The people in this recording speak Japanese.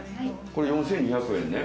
これ４，２００円ね。